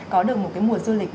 có được một cái mùa du lịch